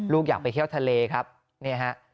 อยากไปเที่ยวทะเลครับเนี่ยฮะ